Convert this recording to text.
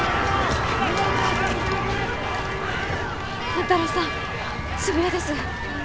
万太郎さん渋谷です。